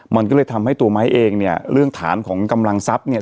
มันก็เลยทำให้ตัวมายเองเรื่องฐานของกำลังทรัพย์